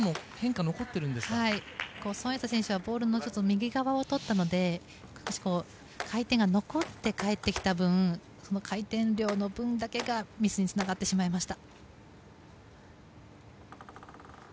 はい、ソン・エイサ選手はボールの少し右側をとったので少し回転が残って返ってきた分回転量の分だけがミスにつながってしまいました。